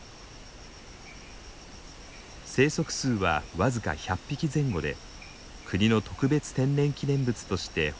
生息数はわずか１００匹前後で国の特別天然記念物として保護されています。